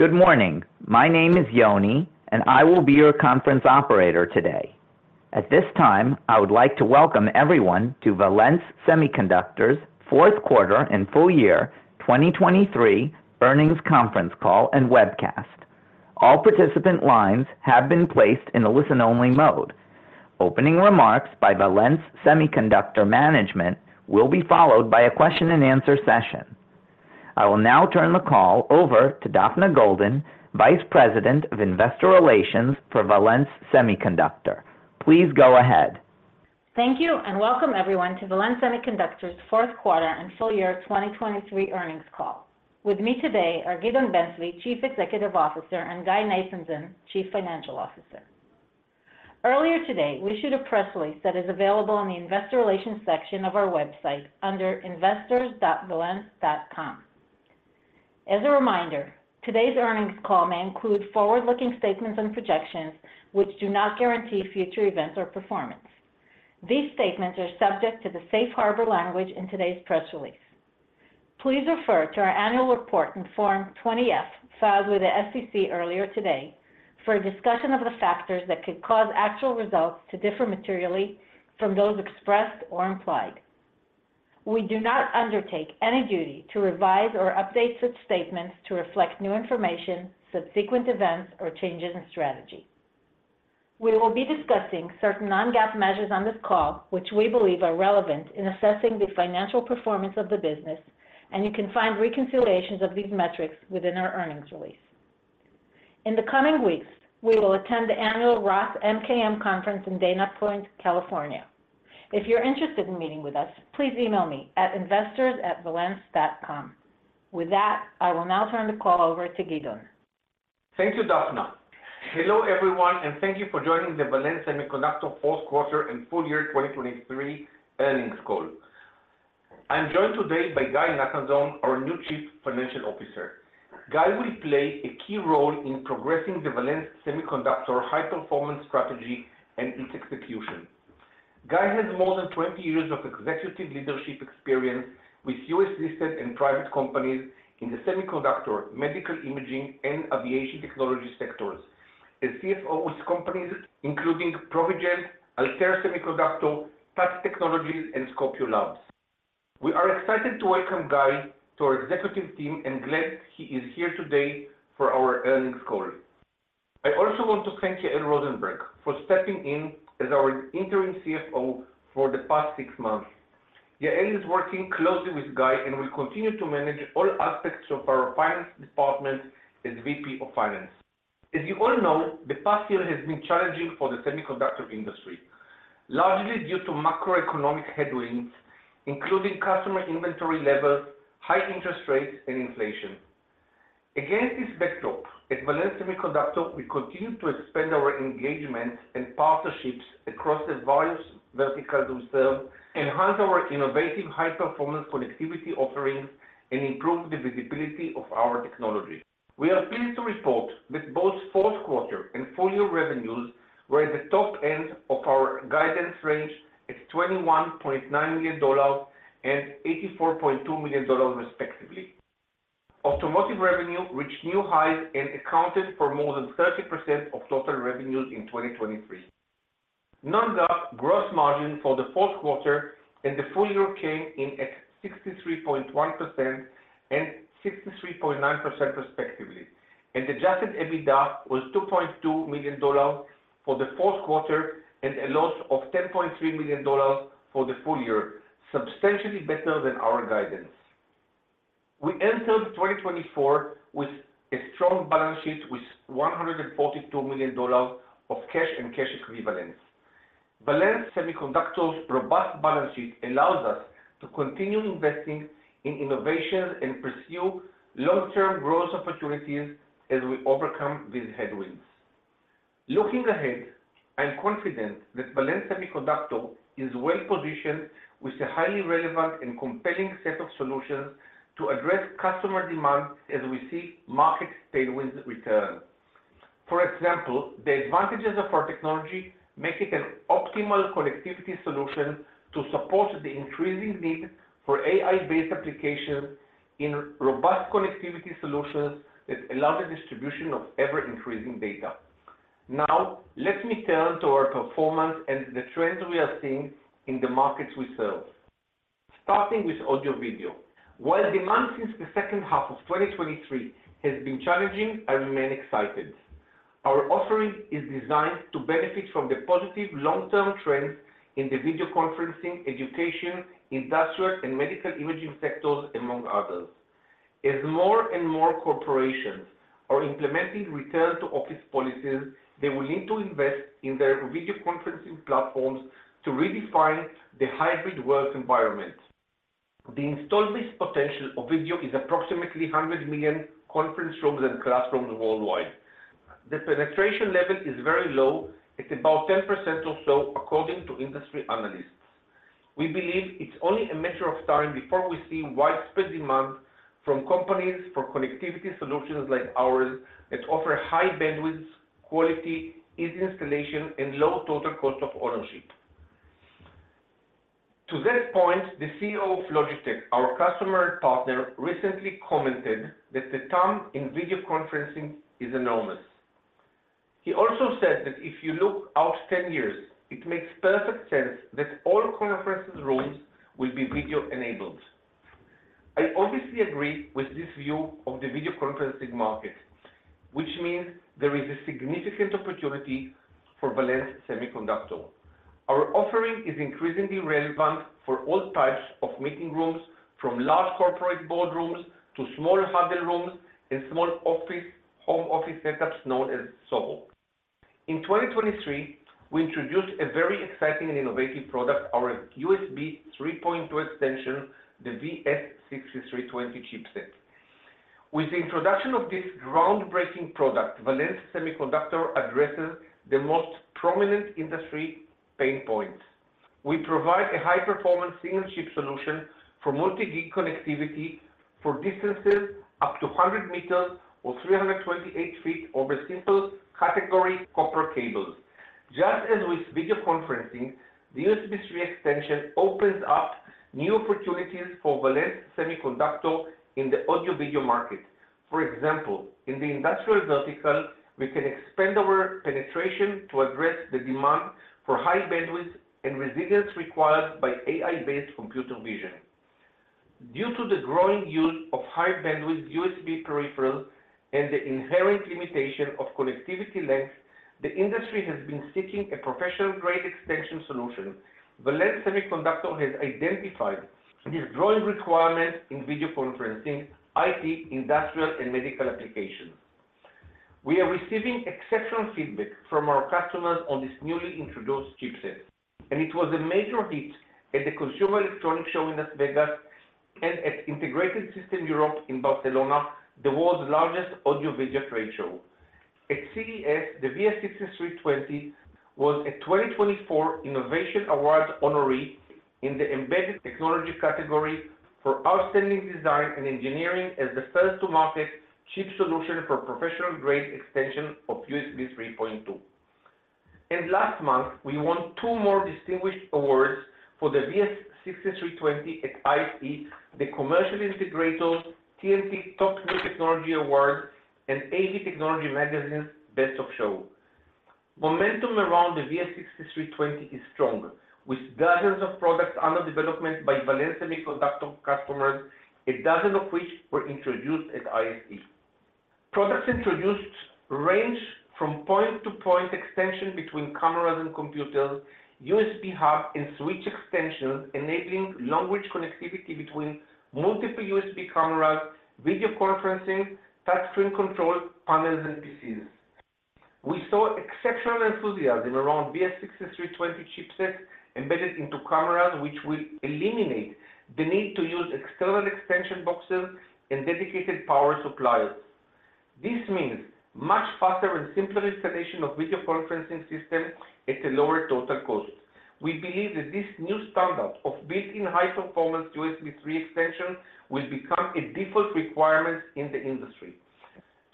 Good morning. My name is Yoni, and I will be your conference operator today. At this time, I would like to welcome everyone to Valens Semiconductor's fourth quarter and full year 2023 earnings conference call and webcast. All participant lines have been placed in a listen-only mode. Opening remarks by Valens Semiconductor Management will be followed by a question-and-answer session. I will now turn the call over to Daphna Golden, Vice President of Investor Relations for Valens Semiconductor. Please go ahead. Thank you and welcome everyone to Valens Semiconductor's fourth quarter and full year 2023 earnings call. With me today are Gideon Ben-Zvi, Chief Executive Officer, and Guy Nathanzon, Chief Financial Officer. Earlier today, we issued a press release that is available in the Investor Relations section of our website under investors.valens.com. As a reminder, today's earnings call may include forward-looking statements and projections which do not guarantee future events or performance. These statements are subject to the safe harbor language in today's press release. Please refer to our annual report and Form 20-F filed with the SEC earlier today for a discussion of the factors that could cause actual results to differ materially from those expressed or implied. We do not undertake any duty to revise or update such statements to reflect new information, subsequent events, or changes in strategy. We will be discussing certain non-GAAP measures on this call which we believe are relevant in assessing the financial performance of the business, and you can find reconciliations of these metrics within our earnings release. In the coming weeks, we will attend the annual Roth MKM Conference in Dana Point, California. If you're interested in meeting with us, please email me at investors@valens.com. With that, I will now turn the call over to Gideon. Thank you, Daphna. Hello everyone, and thank you for joining the Valens Semiconductor fourth quarter and full year 2023 earnings call. I'm joined today by Guy Nathanzon, our new Chief Financial Officer. Guy will play a key role in progressing the Valens Semiconductor high-performance strategy and its execution. Guy has more than 20 years of executive leadership experience with U.S. listed and private companies in the semiconductor, medical imaging, and aviation technology sectors, as CFO with companies including Provigent, Altair Semiconductor, TAT Technologies, and Scopio Labs. We are excited to welcome Guy to our executive team and glad he is here today for our earnings call. I also want to thank Yael Rozenberg for stepping in as our interim CFO for the past six months. Yael is working closely with Guy and will continue to manage all aspects of our finance department as VP of Finance. As you all know, the past year has been challenging for the semiconductor industry, largely due to macroeconomic headwinds including customer inventory levels, high interest rates, and inflation. Against this backdrop, at Valens Semiconductor, we continue to expand our engagements and partnerships across the various verticals we serve, enhance our innovative high-performance connectivity offerings, and improve the visibility of our technology. We are pleased to report that both fourth quarter and full year revenues were at the top end of our guidance range at $21.9 million and $84.2 million, respectively. Automotive revenue reached new highs and accounted for more than 30% of total revenues in 2023. Non-GAAP gross margin for the fourth quarter and the full year came in at 63.1% and 63.9%, respectively, and Adjusted EBITDA was $2.2 million for the fourth quarter and a loss of $10.3 million for the full year, substantially better than our guidance. We entered 2024 with a strong balance sheet with $142 million of cash and cash equivalents. Valens Semiconductor's robust balance sheet allows us to continue investing in innovations and pursue long-term growth opportunities as we overcome these headwinds. Looking ahead, I'm confident that Valens Semiconductor is well-positioned with a highly relevant and compelling set of solutions to address customer demand as we see market tailwinds return. For example, the advantages of our technology make it an optimal connectivity solution to support the increasing need for AI-based applications in robust connectivity solutions that allow the distribution of ever-increasing data. Now, let me turn to our performance and the trends we are seeing in the markets we serve. Starting with audio-video, while demand since the second half of 2023 has been challenging, I remain excited. Our offering is designed to benefit from the positive long-term trends in the video conferencing, education, industrial, and medical imaging sectors, among others. As more and more corporations are implementing return-to-office policies, they will need to invest in their video conferencing platforms to redefine the hybrid work environment. The installed base potential of video is approximately 100 million conference rooms and classrooms worldwide. The penetration level is very low at about 10% or so, according to industry analysts. We believe it's only a matter of time before we see widespread demand from companies for connectivity solutions like ours that offer high bandwidth, quality, easy installation, and low total cost of ownership. To that point, the CEO of Logitech, our customer and partner, recently commented that the time in video conferencing is enormous. He also said that if you look out 10 years, it makes perfect sense that all conference rooms will be video-enabled. I obviously agree with this view of the video conferencing market, which means there is a significant opportunity for Valens Semiconductor. Our offering is increasingly relevant for all types of meeting rooms, from large corporate boardrooms to small huddle rooms and small home office setups known as SOHO. In 2023, we introduced a very exciting and innovative product, our USB 3.2 extension, the VS6320 chipset. With the introduction of this groundbreaking product, Valens Semiconductor addresses the most prominent industry pain points. We provide a high-performance single-chip solution for multi-gig connectivity for distances up to 100 meters or 328 feet over simple category copper cables. Just as with video conferencing, the USB 3.0 extension opens up new opportunities for Valens Semiconductor in the audio-video market. For example, in the industrial vertical, we can expand our penetration to address the demand for high bandwidth and resilience required by AI-based computer vision. Due to the growing use of high-bandwidth USB peripherals and the inherent limitation of connectivity length, the industry has been seeking a professional-grade extension solution. Valens Semiconductor has identified this growing requirement in video conferencing, IT, industrial, and medical applications. We are receiving exceptional feedback from our customers on this newly introduced chipset, and it was a major hit at the Consumer Electronics Show in Las Vegas and at Integrated Systems Europe in Barcelona, the world's largest audio-video trade show. At CES, the VS6320 was a 2024 Innovation Award honoree in the embedded technology category for outstanding design and engineering as the first-to-market chip solution for professional-grade extension of USB 3.2. Last month, we won two more distinguished awards for the VS6320 at ISE, the Commercial Integrator TNT Top New Technology Award, and AV Technology Magazine's Best of Show. Momentum around the VS6320 is strong, with dozens of products under development by Valens Semiconductor customers, a dozen of which were introduced at ISE. Products introduced range from point-to-point extension between cameras and computers, USB hub, and switch extensions, enabling long-range connectivity between multiple USB cameras, video conferencing, touchscreen control panels, and PCs. We saw exceptional enthusiasm around VS6320 chipsets embedded into cameras, which will eliminate the need to use external extension boxes and dedicated power supplies. This means much faster and simpler installation of video conferencing systems at a lower total cost. We believe that this new standard of built-in high-performance USB 3.0 extension will become a default requirement in the industry.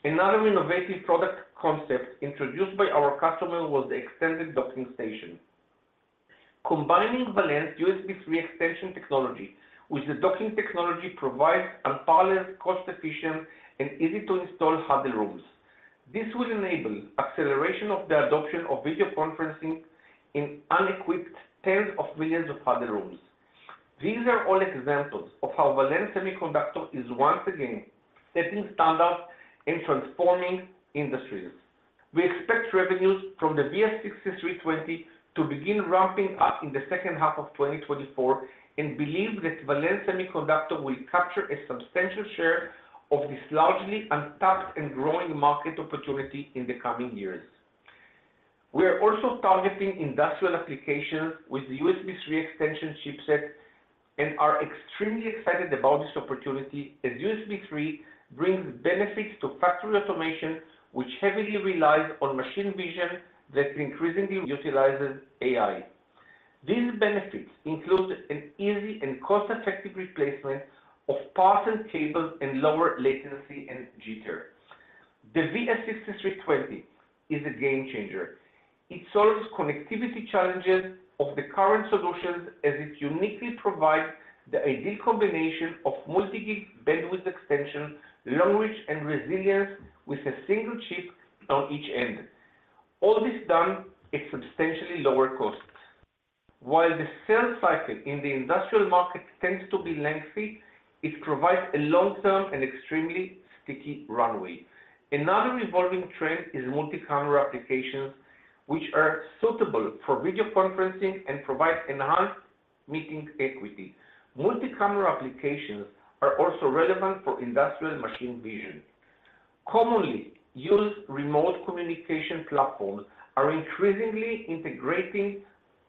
Another innovative product concept introduced by our customer was the extended docking station. Combining Valens USB 3.0 extension technology with the docking technology provides unparalleled cost-efficient and easy-to-install huddle rooms. This will enable acceleration of the adoption of video conferencing in unequipped tens of millions of huddle rooms. These are all examples of how Valens Semiconductor is once again setting standards and transforming industries. We expect revenues from the VS6320 to begin ramping up in the second half of 2024 and believe that Valens Semiconductor will capture a substantial share of this largely untapped and growing market opportunity in the coming years. We are also targeting industrial applications with the USB 3.0 extension chipset and are extremely excited about this opportunity as USB 3.0 brings benefits to factory automation, which heavily relies on machine vision that increasingly utilizes AI. These benefits include an easy and cost-effective replacement of parts and cables and lower latency and jitter. The VS6320 is a game-changer. It solves connectivity challenges of the current solutions as it uniquely provides the ideal combination of multi-gig bandwidth extension, long-range, and resilience with a single chip on each end. All this done at substantially lower costs. While the sales cycle in the industrial market tends to be lengthy, it provides a long-term and extremely sticky runway. Another evolving trend is multi-camera applications, which are suitable for video conferencing and provide enhanced meeting equity. Multi-camera applications are also relevant for industrial machine vision. Commonly used remote communication platforms are increasingly integrating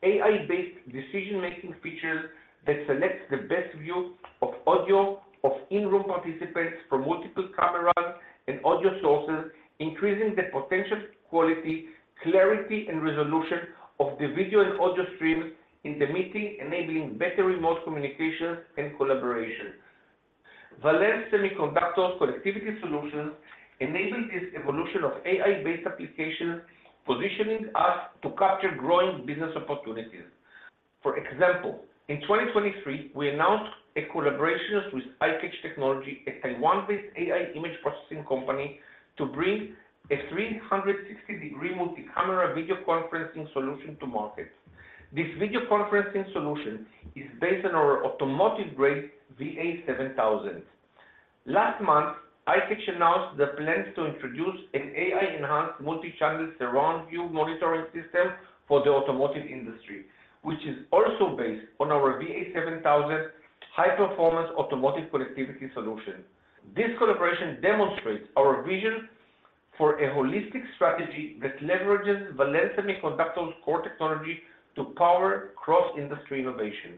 AI-based decision-making features that select the best view of audio of in-room participants from multiple cameras and audio sources, increasing the potential quality, clarity, and resolution of the video and audio streams in the meeting, enabling better remote communications and collaboration. Valens Semiconductor's connectivity solutions enable this evolution of AI-based applications, positioning us to capture growing business opportunities. For example, in 2023, we announced a collaboration with iCatch Technology, a Taiwan-based AI image processing company, to bring a 360-degree multi-camera video conferencing solution to market. This video conferencing solution is based on our automotive-grade VA7000. Last month, iCatch announced the plans to introduce an AI-enhanced multi-channel surround-view monitoring system for the automotive industry, which is also based on our VA7000 high-performance automotive connectivity solution. This collaboration demonstrates our vision for a holistic strategy that leverages Valens Semiconductor's core technology to power cross-industry innovation.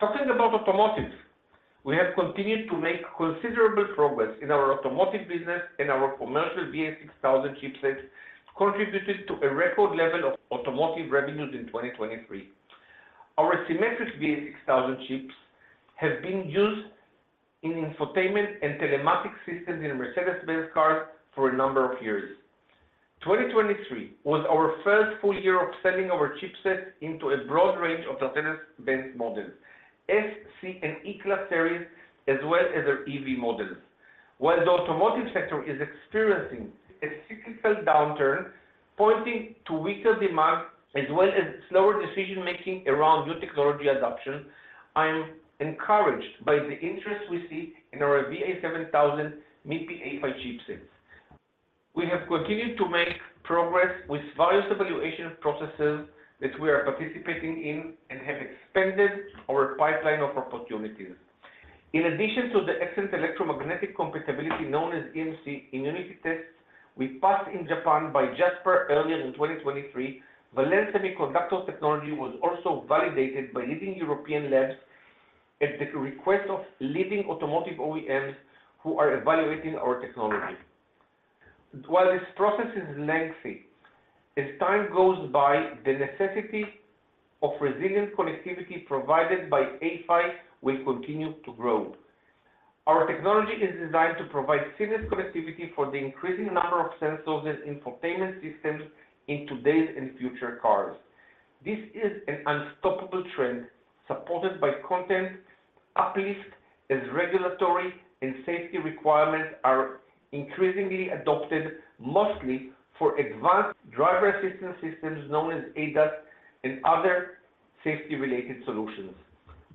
Talking about automotive, we have continued to make considerable progress in our automotive business, and our commercial VA6000 chipsets contributed to a record level of automotive revenues in 2023. Our symmetric VA6000 chips have been used in infotainment and telematic systems in Mercedes-Benz cars for a number of years. 2023 was our first full year of selling our chipsets into a broad range of Mercedes-Benz models, S-Class, C-Class, and E-Class series, as well as their EV models. While the automotive sector is experiencing a cyclical downturn pointing to weaker demand as well as slower decision-making around new technology adoption, I am encouraged by the interest we see in our VA7000 MIPI A-PHY chipsets. We have continued to make progress with various evaluation processes that we are participating in and have expanded our pipeline of opportunities. In addition to the excellent electromagnetic compatibility known as EMC immunity tests we passed in Japan by JASPAR earlier in 2023, Valens Semiconductor technology was also validated by leading European labs at the request of leading automotive OEMs who are evaluating our technology. While this process is lengthy, as time goes by, the necessity of resilient connectivity provided by HDBaseT will continue to grow. Our technology is designed to provide seamless connectivity for the increasing number of sensors and infotainment systems in today's and future cars. This is an unstoppable trend supported by content uplift as regulatory and safety requirements are increasingly adopted, mostly for advanced driver assistance systems known as ADAS and other safety-related solutions.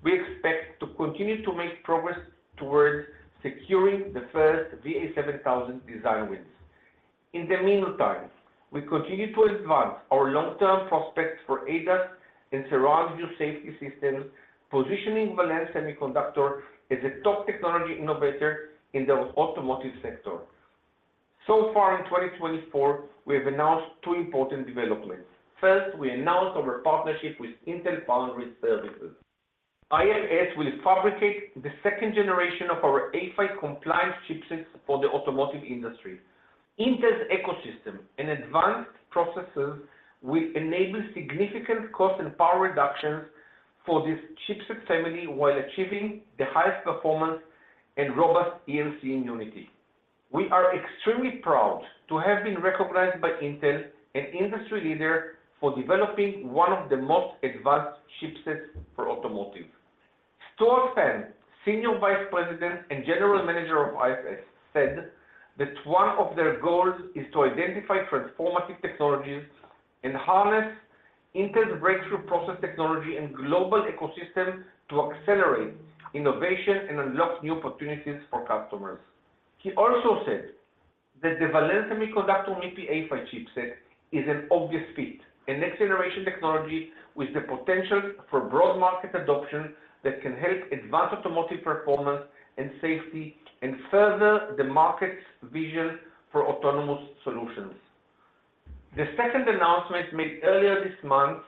We expect to continue to make progress towards securing the first VA7000 design wins. In the meantime, we continue to advance our long-term prospects for ADAS and surround-view safety systems, positioning Valens Semiconductor as a top technology innovator in the automotive sector. So far in 2024, we have announced two important developments. First, we announced our partnership with Intel Foundry Services. IFS will fabricate the second generation of our MIPI A-PHY-compliant chipsets for the automotive industry. Intel's ecosystem and advanced processes will enable significant cost and power reductions for this chipset family while achieving the highest performance and robust EMC immunity. We are extremely proud to have been recognized by Intel, an industry leader, for developing one of the most advanced chipsets for automotive. Stuart Pann, Senior Vice President and General Manager of IFS, said that one of their goals is to identify transformative technologies, enhance Intel's breakthrough process technology, and global ecosystem to accelerate innovation and unlock new opportunities for customers. He also said that the Valens Semiconductor MIPI A-PHY chipset is an obvious fit, a next-generation technology with the potential for broad-market adoption that can help advance automotive performance and safety and further the market's vision for autonomous solutions. The second announcement made earlier this month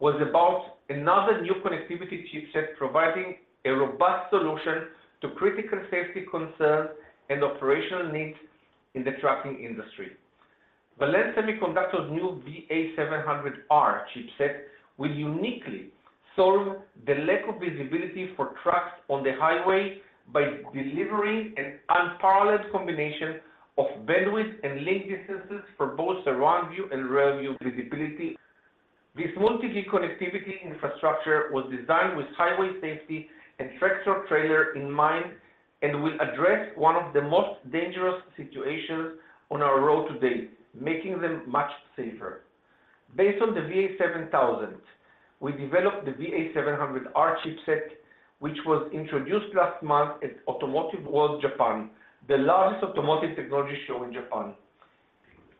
was about another new connectivity chipset providing a robust solution to critical safety concerns and operational needs in the trucking industry. Valens Semiconductor's new VA700R chipset will uniquely solve the lack of visibility for trucks on the highway by delivering an unparalleled combination of bandwidth and link distances for both surround-view and rear-view visibility. This multi-gig connectivity infrastructure was designed with highway safety and tractor-trailer in mind and will address one of the most dangerous situations on our road today, making them much safer. Based on the VA7000, we developed the VA700R chipset, which was introduced last month at Automotive World Japan, the largest automotive technology show in Japan.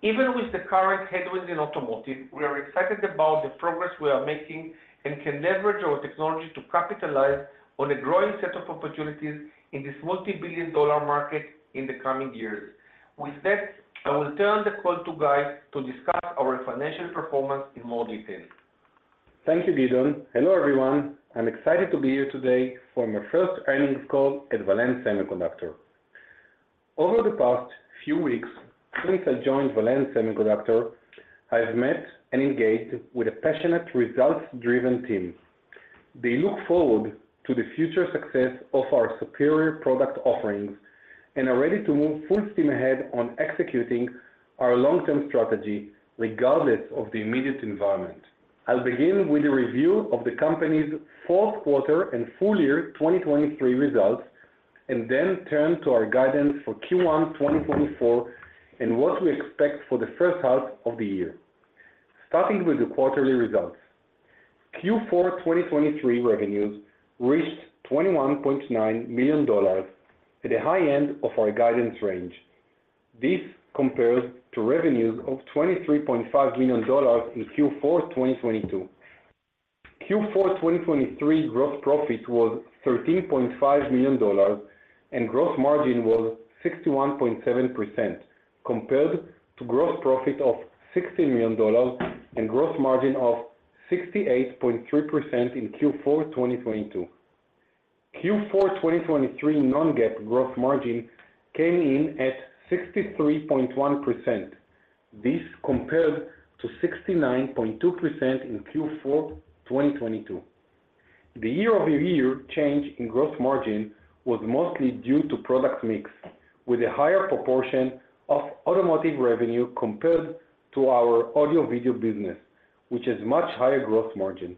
Even with the current headwinds in automotive, we are excited about the progress we are making and can leverage our technology to capitalize on a growing set of opportunities in this multi-billion-dollar market in the coming years. With that, I will turn the call to Guy to discuss our financial performance in more detail. Thank you, Gideon. Hello, everyone. I'm excited to be here today for my first earnings call at Valens Semiconductor. Over the past few weeks, since I joined Valens Semiconductor, I've met and engaged with a passionate, results-driven team. They look forward to the future success of our superior product offerings and are ready to move full steam ahead on executing our long-term strategy regardless of the immediate environment. I'll begin with a review of the company's fourth quarter and full-year 2023 results and then turn to our guidance for Q1 2024 and what we expect for the first half of the year. Starting with the quarterly results, Q4 2023 revenues reached $21.9 million at the high end of our guidance range. This compares to revenues of $23.5 million in Q4 2022. Q4 2023 gross profit was $13.5 million and gross margin was 61.7% compared to gross profit of $16 million and gross margin of 68.3% in Q4 2022. Q4 2023 non-GAAP gross margin came in at 63.1%. This compared to 69.2% in Q4 2022. The year-over-year change in gross margin was mostly due to product mix, with a higher proportion of automotive revenue compared to our audio-video business, which has much higher gross margin.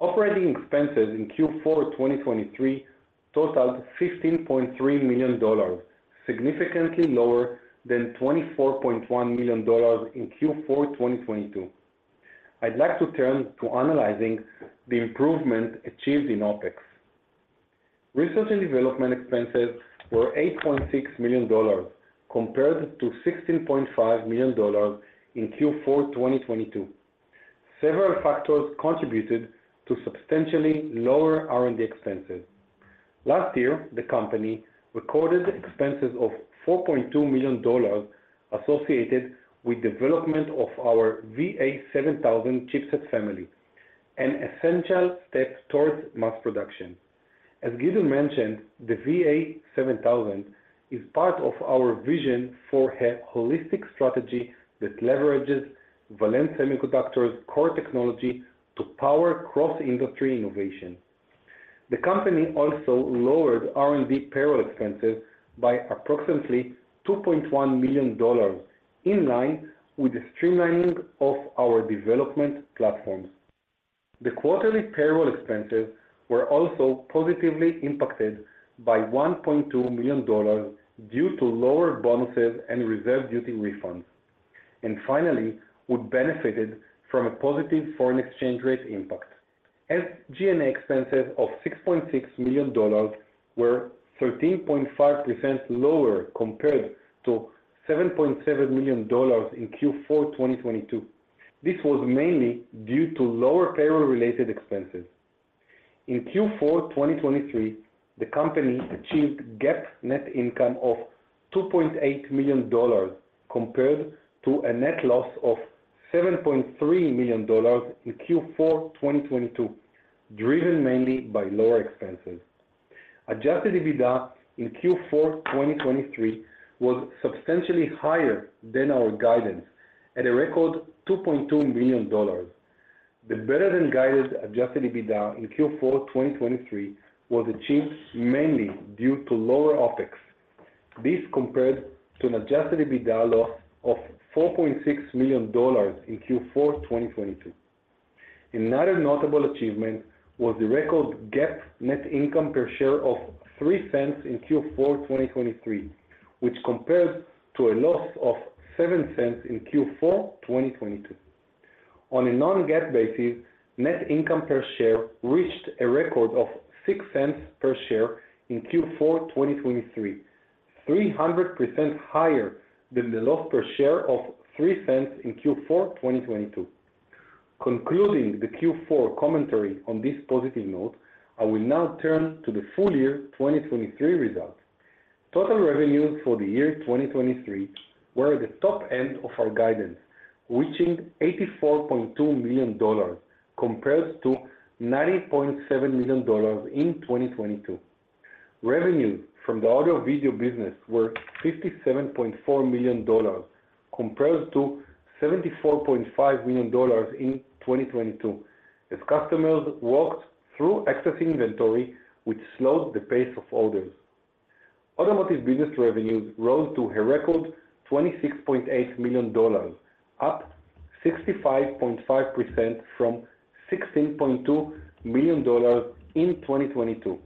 Operating expenses in Q4 2023 totaled $15.3 million, significantly lower than $24.1 million in Q4 2022. I'd like to turn to analyzing the improvement achieved in OPEX. Research and development expenses were $8.6 million compared to $16.5 million in Q4 2022. Several factors contributed to substantially lower R&D expenses. Last year, the company recorded expenses of $4.2 million associated with development of our VA7000 chipset family, an essential step towards mass production. As Gideon mentioned, the VA7000 is part of our vision for a holistic strategy that leverages Valens Semiconductor's core technology to power cross-industry innovation. The company also lowered R&D payroll expenses by approximately $2.1 million in line with the streamlining of our development platforms. The quarterly payroll expenses were also positively impacted by $1.2 million due to lower bonuses and reserve duty refunds, and finally, would benefit from a positive foreign exchange rate impact. SG&A expenses of $6.6 million were 13.5% lower compared to $7.7 million in Q4 2022. This was mainly due to lower payroll-related expenses. In Q4 2023, the company achieved GAAP net income of $2.8 million compared to a net loss of $7.3 million in Q4 2022, driven mainly by lower expenses. Adjusted EBITDA in Q4 2023 was substantially higher than our guidance, at a record $2.2 million. The better-than-guided adjusted EBITDA in Q4 2023 was achieved mainly due to lower OpEx. This compared to an adjusted EBITDA loss of $4.6 million in Q4 2022. Another notable achievement was the record GAAP net income per share of $0.03 in Q4 2023, which compared to a loss of $0.07 in Q4 2022. On a non-GAAP basis, net income per share reached a record of $0.06 per share in Q4 2023, 300% higher than the loss per share of $0.03 in Q4 2022. Concluding the Q4 commentary on this positive note, I will now turn to the full-year 2023 results. Total revenues for the year 2023 were at the top end of our guidance, reaching $84.2 million compared to $90.7 million in 2022. Revenues from the audio-video business were $57.4 million compared to $74.5 million in 2022, as customers walked through accessing inventory, which slowed the pace of orders. Automotive business revenues rose to a record $26.8 million, up 65.5% from $16.2 million in 2022.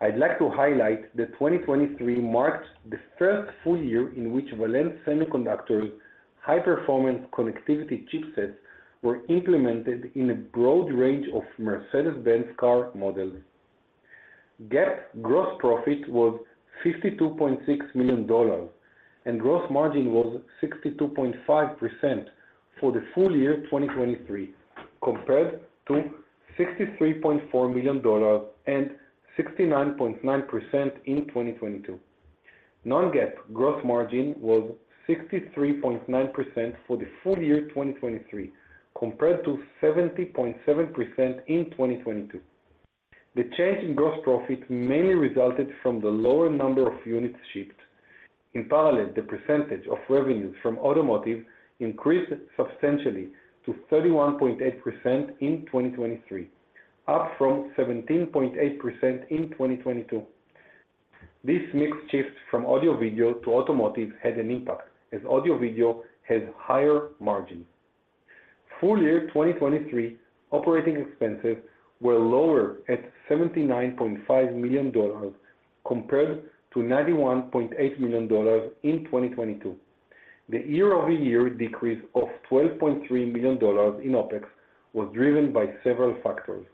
I'd like to highlight that 2023 marked the first full year in which Valens Semiconductor's high-performance connectivity chipsets were implemented in a broad range of Mercedes-Benz car models. GAAP gross profit was $52.6 million, and gross margin was 62.5% for the full year 2023 compared to $63.4 million and 69.9% in 2022. Non-GAAP gross margin was 63.9% for the full year 2023 compared to 70.7% in 2022. The change in gross profit mainly resulted from the lower number of units shipped. In parallel, the percentage of revenues from automotive increased substantially to 31.8% in 2023, up from 17.8% in 2022. This mix shift from audio-video to automotive had an impact, as audio-video has higher margins. Full year 2023, operating expenses were lower at $79.5 million compared to $91.8 million in 2022. The year-over-year decrease of $12.3 million in OpEx was driven by several factors.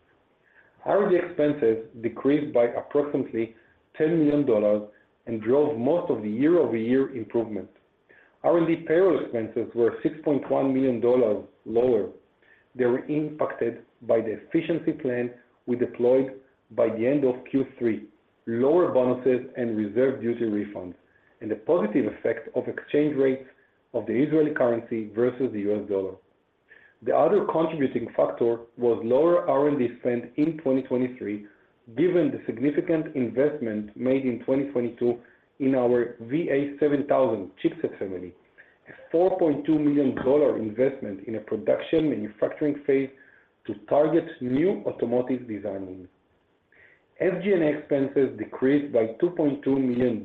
R&D expenses decreased by approximately $10 million and drove most of the year-over-year improvement. R&D payroll expenses were $6.1 million lower. They were impacted by the efficiency plan we deployed by the end of Q3, lower bonuses and reserve duty refunds, and the positive effect of exchange rates of the Israeli currency versus the US dollar. The other contributing factor was lower R&D spend in 2023, given the significant investment made in 2022 in our VA7000 chipset family, a $4.2 million investment in a production manufacturing phase to target new automotive design wins. SG&A expenses decreased by $2.2 million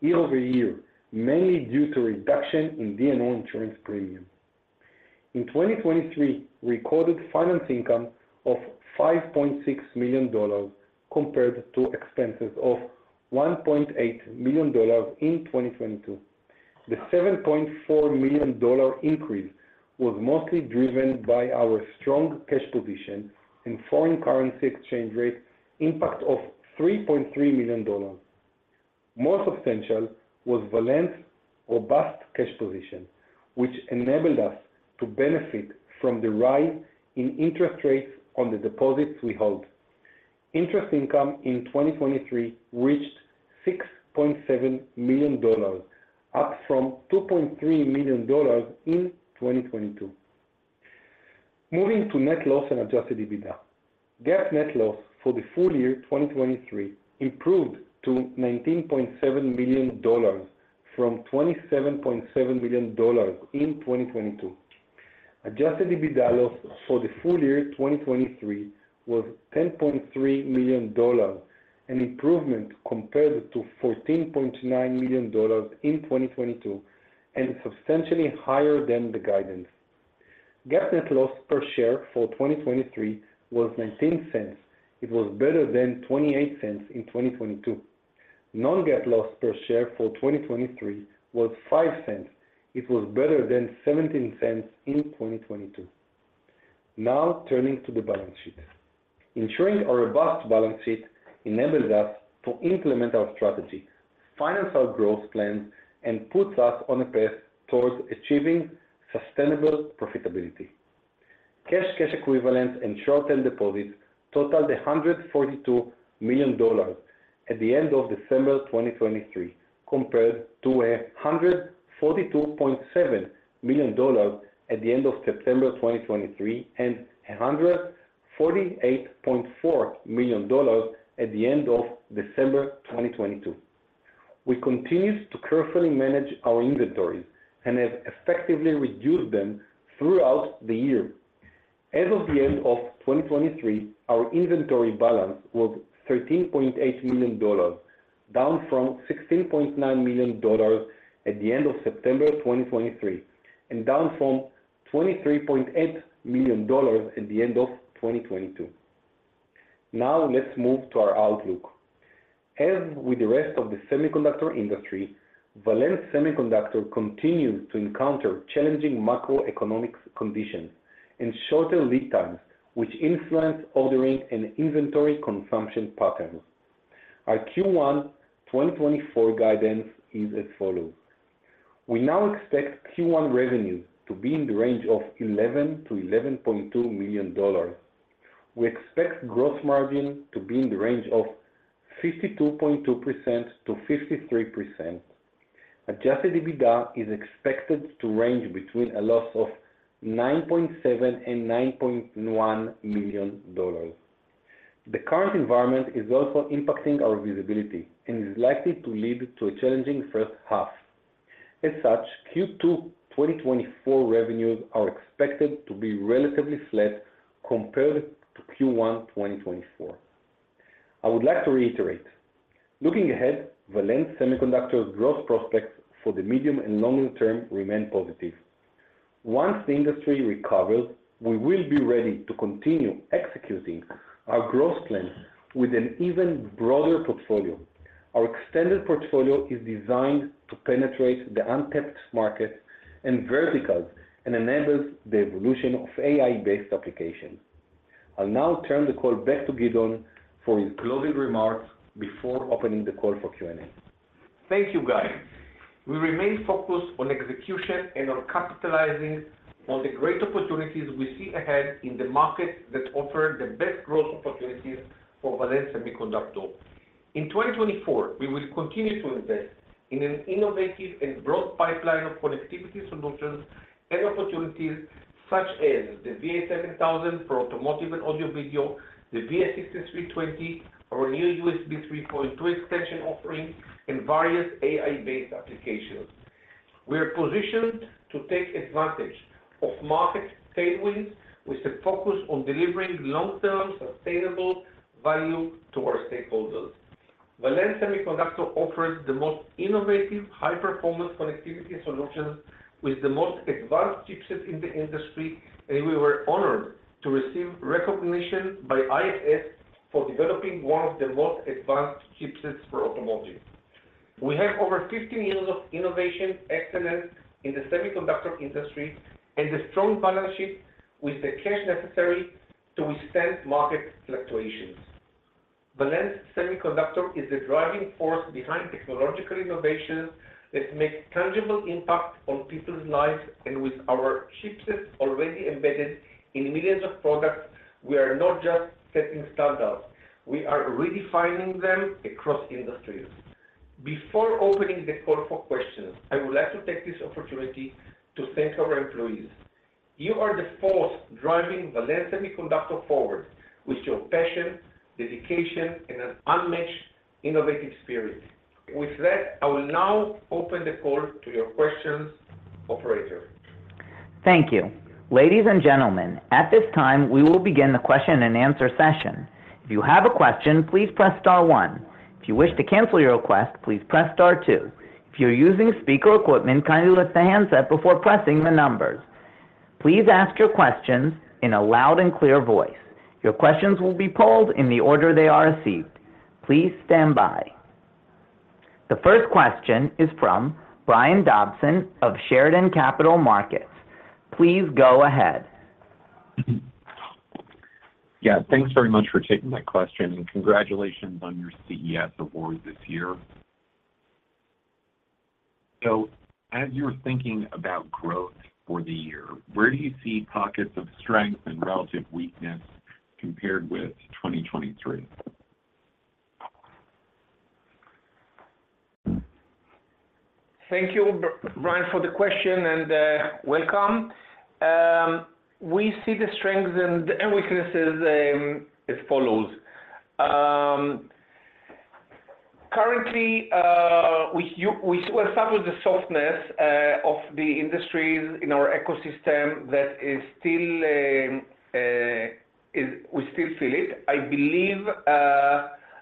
year-over-year, mainly due to reduction in D&O insurance premium. In 2023, we recorded finance income of $5.6 million compared to expenses of $1.8 million in 2022. The $7.4 million increase was mostly driven by our strong cash position and foreign currency exchange rate impact of $3.3 million. More substantial was Valens' robust cash position, which enabled us to benefit from the rise in interest rates on the deposits we hold. Interest income in 2023 reached $6.7 million, up from $2.3 million in 2022. Moving to net loss and Adjusted EBITDA, GAAP net loss for the full year 2023 improved to $19.7 million from $27.7 million in 2022. Adjusted EBITDA loss for the full year 2023 was $10.3 million, an improvement compared to $14.9 million in 2022 and substantially higher than the guidance. GAAP net loss per share for 2023 was $0.19. It was better than $0.28 in 2022. Non-GAAP loss per share for 2023 was $0.05. It was better than $0.17 in 2022. Now, turning to the balance sheet. Ensuring a robust balance sheet enables us to implement our strategy, finance our growth plans, and puts us on a path towards achieving sustainable profitability. Cash equivalents and short-term deposits totaled $142 million at the end of December 2023 compared to $142.7 million at the end of September 2023 and $148.4 million at the end of December 2022. We continued to carefully manage our inventories and have effectively reduced them throughout the year. As of the end of 2023, our inventory balance was $13.8 million, down from $16.9 million at the end of September 2023 and down from $23.8 million at the end of 2022. Now, let's move to our outlook. As with the rest of the semiconductor industry, Valens Semiconductor continues to encounter challenging macroeconomic conditions and shorter lead times, which influence ordering and inventory consumption patterns. Our Q1 2024 guidance is as follows. We now expect Q1 revenues to be in the range of $11 million-$11.2 million. We expect gross margin to be in the range of 52.2%-53%. Adjusted EBITDA is expected to range between a loss of $9.7 million-$9.1 million. The current environment is also impacting our visibility and is likely to lead to a challenging first half. As such, Q2 2024 revenues are expected to be relatively flat compared to Q1 2024. I would like to reiterate, looking ahead, Valens Semiconductor's gross prospects for the medium and longer term remain positive. Once the industry recovers, we will be ready to continue executing our growth plans with an even broader portfolio. Our extended portfolio is designed to penetrate the untapped markets and verticals and enables the evolution of AI-based applications. I'll now turn the call back to Gideon for his closing remarks before opening the call for Q&A. Thank you, guys. We remain focused on execution and on capitalizing on the great opportunities we see ahead in the markets that offer the best growth opportunities for Valens Semiconductor. In 2024, we will continue to invest in an innovative and broad pipeline of connectivity solutions and opportunities such as the VA7000 for automotive and audio-video, the VS6320, our new USB 3.2 extension offering, and various AI-based applications. We are positioned to take advantage of market tailwinds with a focus on delivering long-term sustainable value to our stakeholders. Valens Semiconductor offers the most innovative high-performance connectivity solutions with the most advanced chipsets in the industry, and we were honored to receive recognition by IFS for developing one of the most advanced chipsets for automotive. We have over 15 years of innovation excellence in the semiconductor industry and a strong balance sheet with the cash necessary to withstand market fluctuations. Valens Semiconductor is the driving force behind technological innovations that make tangible impact on people's lives, and with our chipsets already embedded in millions of products, we are not just setting standards. We are redefining them across industries. Before opening the call for questions, I would like to take this opportunity to thank our employees. You are the force driving Valens Semiconductor forward with your passion, dedication, and an unmatched innovative spirit. With that, I will now open the call to your questions, operator. Thank you. Ladies and gentlemen, at this time, we will begin the question-and-answer session. If you have a question, please press star one. If you wish to cancel your request, please press star two. If you're using speaker equipment, kindly lift the hands up before pressing the numbers. Please ask your questions in a loud and clear voice. Your questions will be polled in the order they are received. Please stand by. The first question is from Brian Dobson of Chardan Capital Markets. Please go ahead. Yeah. Thanks very much for taking that question, and congratulations on your CES award this year. So as you were thinking about growth for the year, where do you see pockets of strength and relative weakness compared with 2023? Thank you, Brian, for the question, and welcome. We see the strengths and weaknesses as follows. Currently, we suffer the softness of the industries in our ecosystem that is still we still feel it. I believe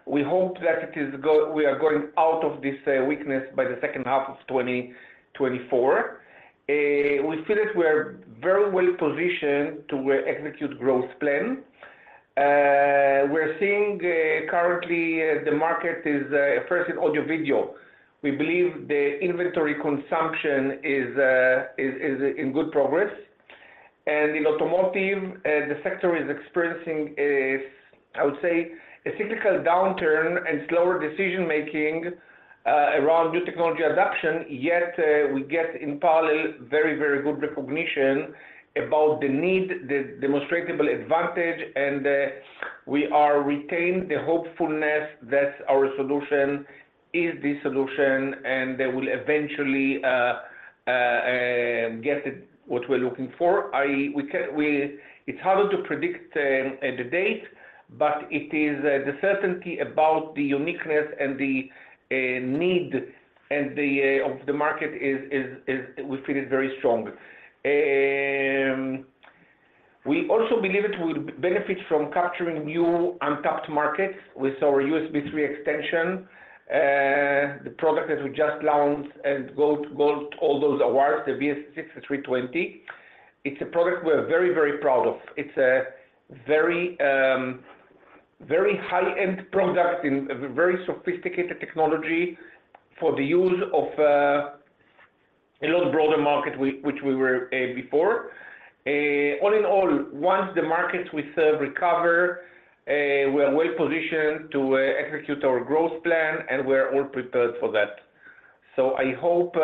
we hope that we are going out of this weakness by the second half of 2024. We feel that we are very well positioned to execute growth plans. We're seeing currently the market is first in audio-video. We believe the inventory consumption is in good progress. In automotive, the sector is experiencing, I would say, a cyclical downturn and slower decision-making around new technology adoption, yet we get in parallel very, very good recognition about the need, the demonstratable advantage, and we are retained the hopefulness that our solution is the solution and will eventually get what we're looking for. It's harder to predict the date, but it is the certainty about the uniqueness and the need of the market is we feel it very strong. We also believe it would benefit from capturing new untapped markets with our USB 3.0 extension, the product that we just launched and got all those awards, the VS6320. It's a product we're very, very proud of. It's a very high-end product in very sophisticated technology for the use of a lot broader market, which we were before. All in all, once the markets we serve recover, we are well positioned to execute our growth plan, and we are all prepared for that. So I hope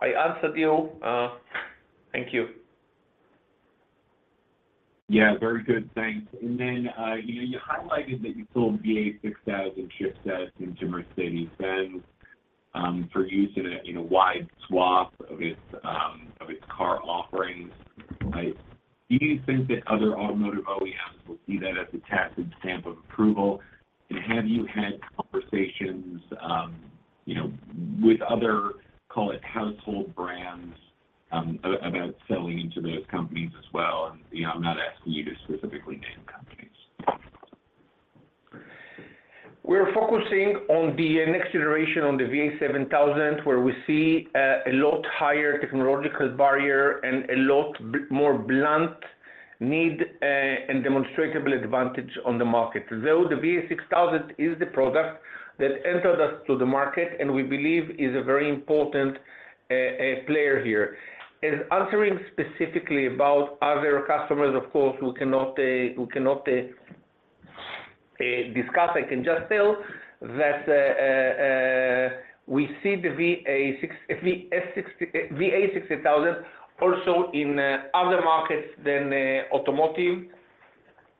I answered you. Thank you. Yeah. Very good. Thanks. And then you highlighted that you sold VA6000 chipsets into Mercedes-Benz for use in a wide swath of its car offerings. Do you think that other automotive OEMs will see that as a tattooed stamp of approval? And have you had conversations with other, call it, household brands about selling into those companies as well? And I'm not asking you to specifically name companies. We're focusing on the next generation on the VA7000, where we see a lot higher technological barrier and a lot more blunt need and demonstratable advantage on the market. Though the VA6000 is the product that entered us to the market, and we believe is a very important player here. As answering specifically about other customers, of course, we cannot discuss. I can just tell that we see the VA6000 also in other markets than automotive.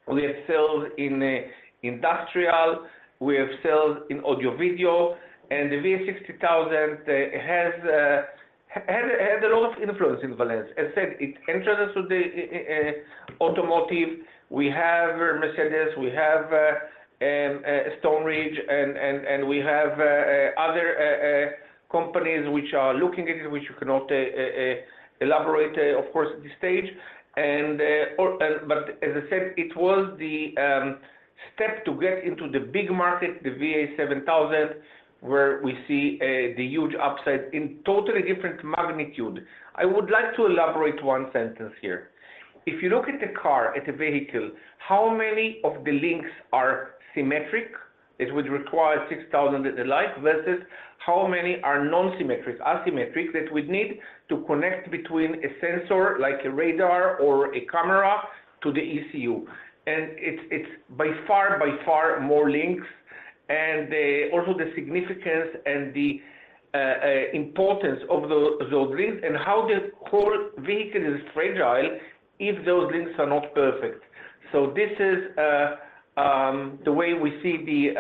We have sales in industrial. We have sales in audio-video. And the VA6000 has had a lot of influence in Valens. As said, it entered us with the automotive. We have Mercedes. We have Stoneridge. And we have other companies which are looking at it, which you cannot elaborate, of course, at this stage. But as I said, it was the step to get into the big market, the VA7000, where we see the huge upside in totally different magnitude. I would like to elaborate one sentence here. If you look at a car, at a vehicle, how many of the links are symmetric that would require VA6000 and the like versus how many are non-symmetric, asymmetric that would need to connect between a sensor like a radar or a camera to the ECU? And it's by far, by far more links and also the significance and the importance of those links and how the whole vehicle is fragile if those links are not perfect. So this is the way we see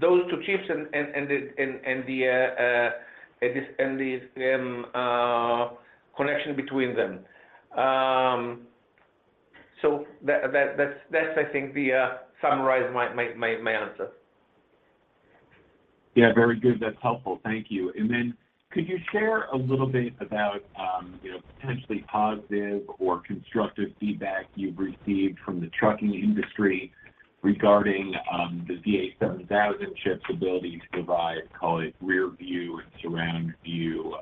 those two chips and the connection between them. So that's, I think, that summarizes my answer. Yeah. Very good. That's helpful. Thank you. And then could you share a little bit about potentially positive or constructive feedback you've received from the trucking industry regarding the VA7000 chip's ability to provide, call it, rearview and surround-view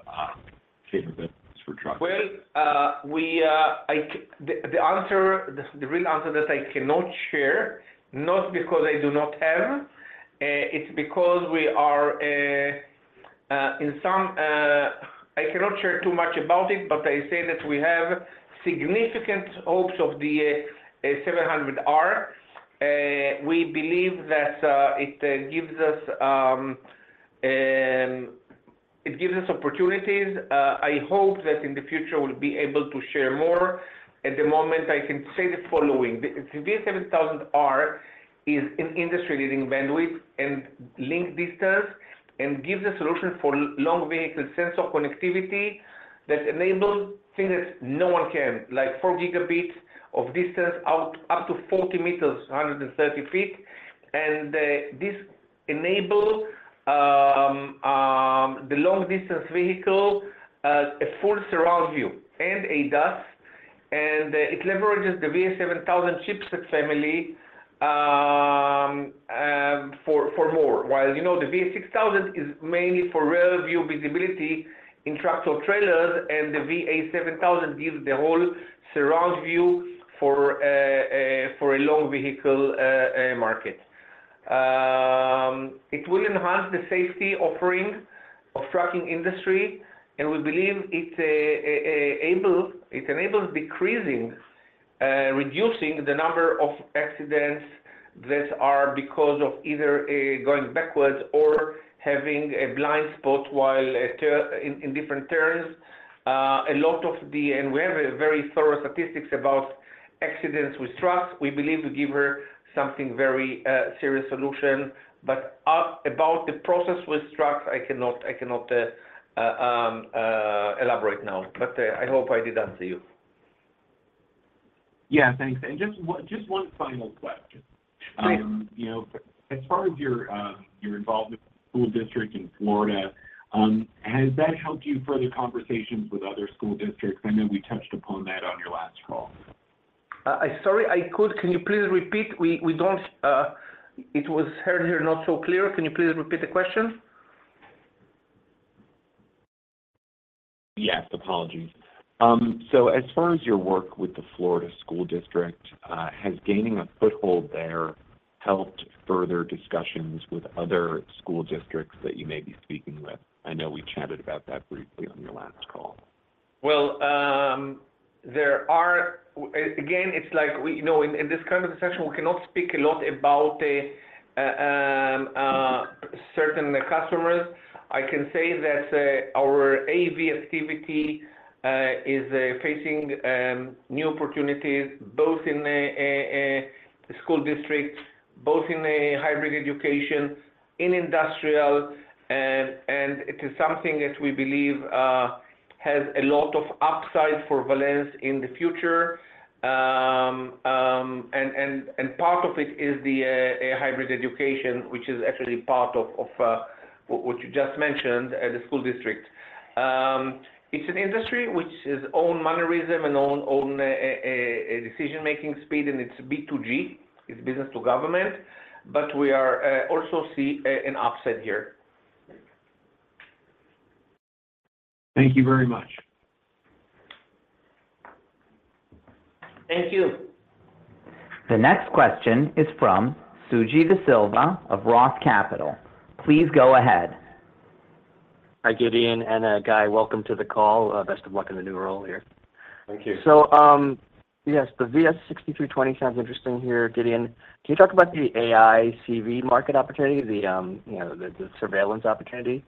capabilities for trucking? Well, the real answer that I cannot share, not because I do not have, it's because we are in some I cannot share too much about it, but I say that we have significant hopes of the 700R. We believe that it gives us opportunities. I hope that in the future we'll be able to share more. At the moment, I can say the following. The VA700R is an industry-leading bandwidth and link distance and gives a solution for long-vehicle sensor connectivity that enables things that no one can, like 4 Gb of distance out up to 40 meters, 130 feet. And this enables the long-distance vehicle a full surround view and ADAS. And it leverages the VA7000 chipset family for more, while the VA6000 is mainly for rearview visibility in tractor trailers, and the VA7000 gives the whole surround view for a long-vehicle market. It will enhance the safety offering of the trucking industry, and we believe it enables decreasing, reducing the number of accidents that are because of either going backwards or having a blind spot while in different turns. A lot of the and we have very thorough statistics about accidents with trucks. We believe we give her something very serious solution. But about the process with trucks, I cannot elaborate now, but I hope I did answer you. Yeah. Thanks. And just one final question. As far as your involvement with the school district in Florida, has that helped you further conversations with other school districts? I know we touched upon that on your last call. Sorry. Can you please repeat? It was heard here not so clear. Can you please repeat the question? Yes. Apologies. So as far as your work with the Florida school district, has gaining a foothold there helped further discussions with other school districts that you may be speaking with? I know we chatted about that briefly on your last call. Well, again, it's like in this kind of a session, we cannot speak a lot about certain customers. I can say that our AV activity is facing new opportunities both in the school district, both in hybrid education, in industrial, and it is something that we believe has a lot of upside for Valens in the future. And part of it is the hybrid education, which is actually part of what you just mentioned at the school district. It's an industry which is slow monetization and slow decision-making speed, and it's B2G. It's business to government. But we also see an upside here. Thank you very much. Thank you. The next question is from Suji Desilva of Roth Capital. Please go ahead. Hi, Gideon and Guy. Welcome to the call. Best of luck in the new role here. Thank you. So yes, the VS6320 sounds interesting here, Gideon. Can you talk about the AI CV market opportunity, the surveillance opportunity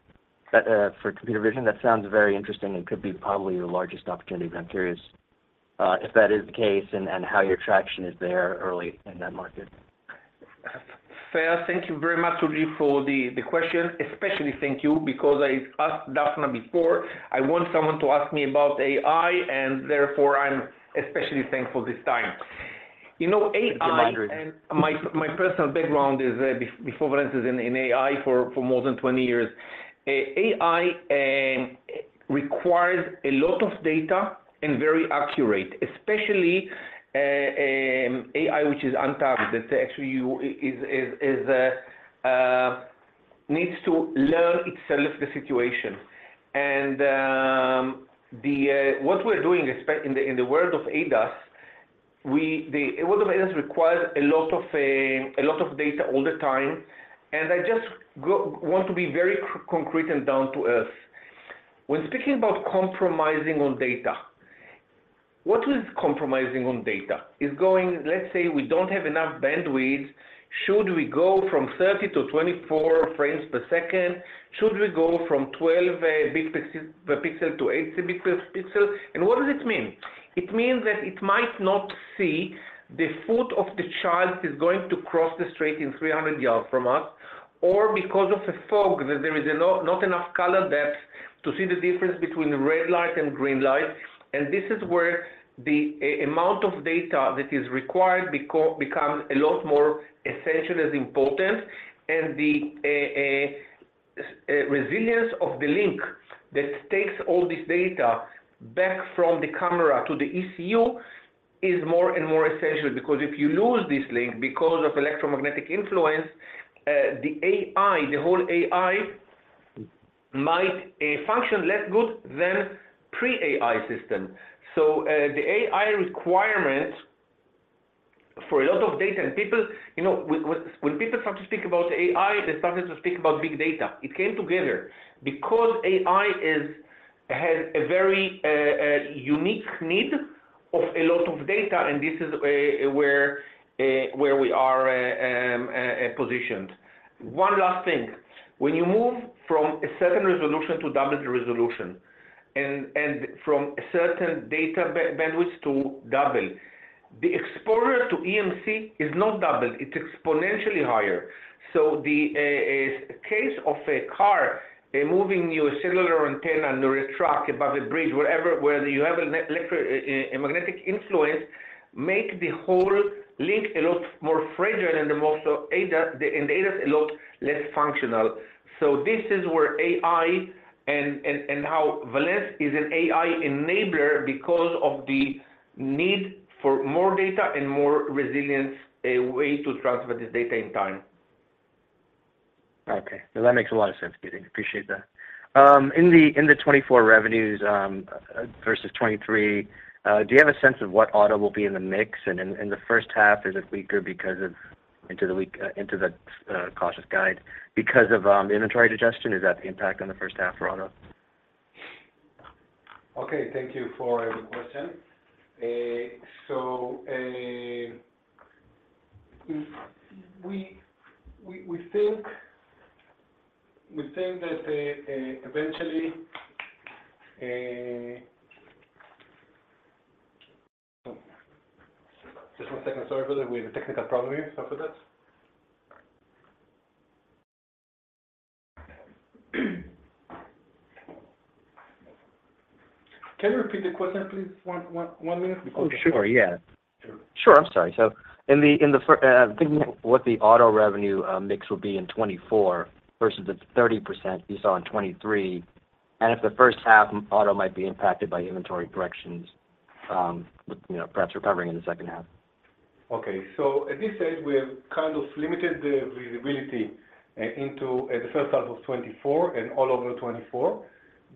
for computer vision? That sounds very interesting and could be probably your largest opportunity, but I'm curious if that is the case and how your traction is there early in that market. Fair. Thank you very much, Suji, for the question. Especially thank you because I asked Daphna before. I want someone to ask me about AI, and therefore, I'm especially thankful this time. AI and my personal background is, before Valens, in AI for more than 20 years. AI requires a lot of data and very accurate, especially AI which is untagged, that actually needs to learn itself the situation. What we're doing in the world of ADAS, the world of ADAS requires a lot of data all the time. I just want to be very concrete and down to earth. When speaking about compromising on data, what is compromising on data? Let's say we don't have enough bandwidth. Should we go from 30-24 frames per second? Should we go from 12-bit per pixel to 8-bit per pixel? And what does it mean? It means that it might not see the foot of the child that is going to cross the street in 300 yards from us or because of a fog that there is not enough color depth to see the difference between red light and green light. And this is where the amount of data that is required becomes a lot more essential as important. And the resilience of the link that takes all this data back from the camera to the ECU is more and more essential because if you lose this link because of electromagnetic influence, the whole AI might function less good than pre-AI system. So the AI requirement for a lot of data and people when people start to speak about AI, they started to speak about big data. It came together because AI has a very unique need of a lot of data, and this is where we are positioned. One last thing. When you move from a certain resolution to double the resolution and from a certain data bandwidth to double, the exposure to EMC is not doubled. It's exponentially higher. So the case of a car moving near a cellular antenna, near a truck, above a bridge, wherever you have a magnetic influence, makes the whole link a lot more fragile and the ADAS a lot less functional. So this is where AI and how Valens is an AI enabler because of the need for more data and more resilient way to transfer this data in time. Okay. Well, that makes a lot of sense, Gideon. Appreciate that. In the 2024 revenues versus 2023, do you have a sense of what auto will be in the mix? And in the first half, is it weaker because of into the cautious guide because of inventory digestion? Is that the impact on the first half for auto? Okay. Thank you for the question. So we think that eventually just one second. Sorry for that. We have a technical problem here. Sorry for that. Can you repeat the question, please? One minute before we go? Oh, sure. Yeah. Sure. I'm sorry. So in the thinking of what the auto revenue mix will be in 2024 versus the 30% you saw in 2023 and if the first half auto might be impacted by inventory corrections, perhaps recovering in the second half. Okay. So at this stage, we have kind of limited the visibility into the first half of 2024 and all over 2024.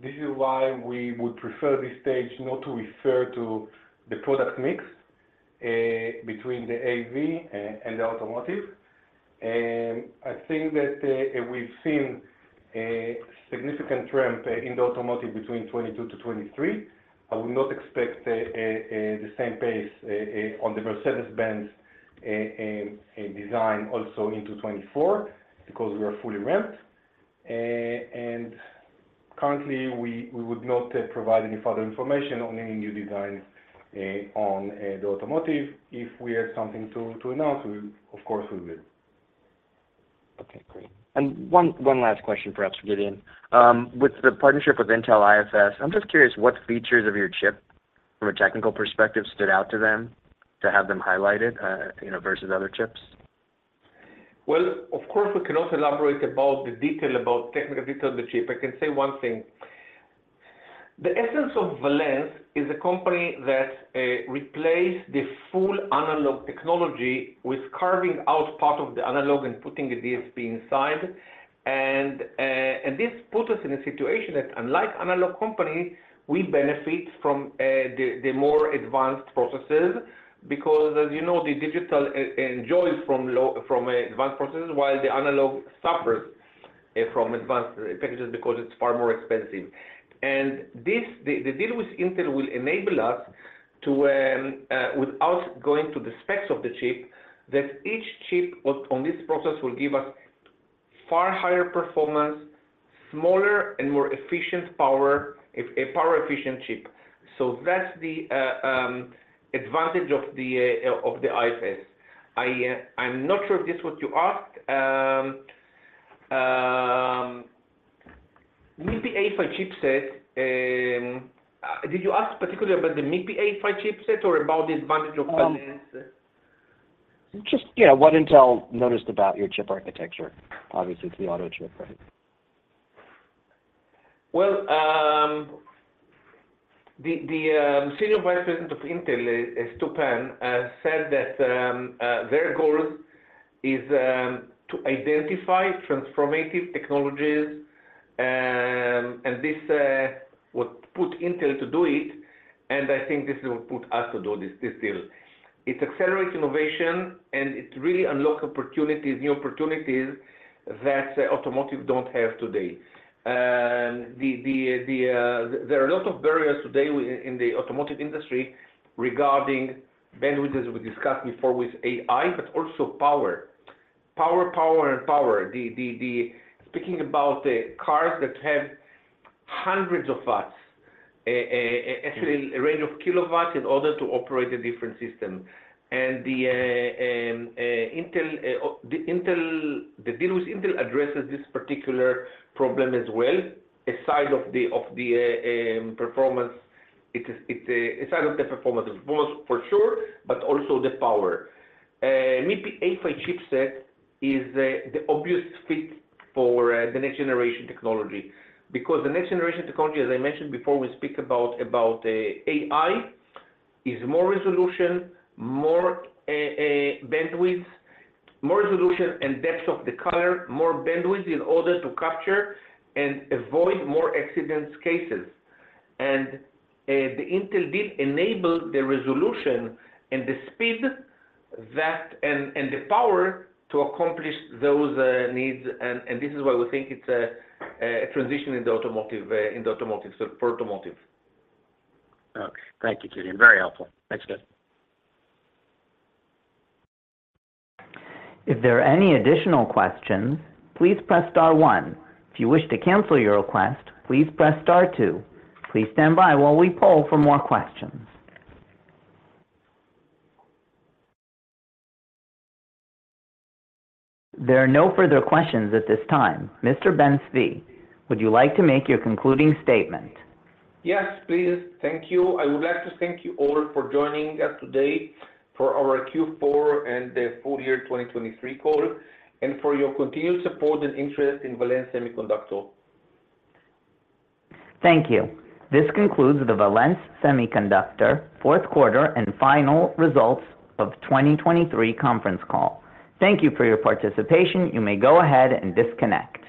This is why we would prefer this stage not to refer to the product mix between the AV and the automotive. I think that we've seen a significant ramp in the automotive between 2022 to 2023. I would not expect the same pace on the Mercedes-Benz design also into 2024 because we are fully ramped. And currently, we would not provide any further information on any new designs on the automotive. If we have something to announce, of course, we will. Okay. Great. And one last question, perhaps, Gideon. With the partnership with Intel IFS, I'm just curious what features of your chip, from a technical perspective, stood out to them to have them highlighted versus other chips? Well, of course, we cannot elaborate about the technical detail of the chip. I can say one thing. The essence of Valens is a company that replaced the full analog technology with carving out part of the analog and putting a DSP inside. And this put us in a situation that, unlike analog companies, we benefit from the more advanced processes because, as you know, the digital enjoys from advanced processes while the analog suffers from advanced packages because it's far more expensive. And the deal with Intel will enable us to, without going to the specs of the chip, that each chip on this process will give us far higher performance, smaller, and more efficient power, a power-efficient chip. So that's the advantage of the IFS. I'm not sure if this is what you asked. MIPI A-PHY chipset. Did you ask particularly about the MIPI A-PHY chipset or about the advantage of Valens? Just what Intel noticed about your chip architecture. Obviously, it's the auto chip, right? Well, the senior vice president of Intel, Stuart Pann, said that their goal is to identify transformative technologies, and this would put Intel to do it. And I think this will put us to do this deal. It's accelerating innovation, and it really unlocks new opportunities that automotive don't have today. There are a lot of barriers today in the automotive industry regarding bandwidth, as we discussed before, with AI, but also power. Power, power, and power. Speaking about cars that have hundreds of watts, actually a range of kilowatts in order to operate a different system. And the deal with Intel addresses this particular problem as well, aside from the performance, the performance for sure, but also the power. MIPI A-PHY chipset is the obvious fit for the next generation technology because the next generation technology, as I mentioned before, when we speak about AI, is more resolution, more bandwidth, more resolution and depth of the color, more bandwidth in order to capture and avoid more accident cases. And the Intel deal enabled the resolution and the speed and the power to accomplish those needs. And this is why we think it's a transition in the automotive for automotive. Okay. Thank you, Gideon. Very helpful. Thanks, guys. If there are any additional questions, please press star one. If you wish to cancel your request, please press star two. Please stand by while we poll for more questions. There are no further questions at this time. Mr. Ben-Zvi, would you like to make your concluding statement? Yes, please. Thank you. I would like to thank you all for joining us today for our Q4 and the full year 2023 call and for your continued support and interest in Valens Semiconductor. Thank you. This concludes the Valens Semiconductor fourth-quarter and final results of 2023 conference call. Thank you for your participation. You may go ahead and disconnect.